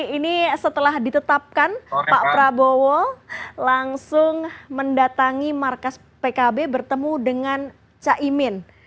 ini setelah ditetapkan pak prabowo langsung mendatangi markas pkb bertemu dengan caimin